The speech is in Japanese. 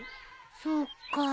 そっか。